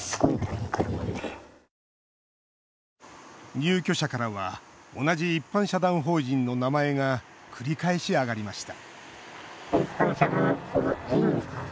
入居者からは同じ一般社団法人の名前が繰り返し挙がりました